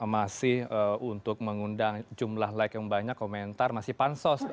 masih untuk mengundang jumlah like yang banyak komentar masih pansos